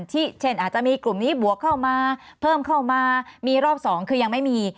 เช่นอาจจะมีกลุ่มนี้บวกเข้ามาเพิ่มเข้ามามีรอบสองคือยังไม่มี